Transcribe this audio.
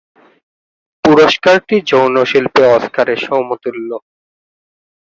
পুরস্কারটি "যৌন শিল্পে অস্কারের সমতুল্য।"